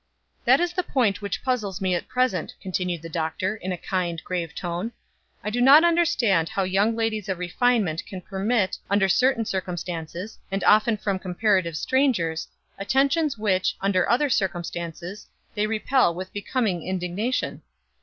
"That is the point which puzzles me at present," continued the Doctor, in a kind, grave tone. "I do not understand how young ladies of refinement can permit, under certain circumstances, and often from comparative strangers, attentions which, under other circumstances, they repel with becoming indignation.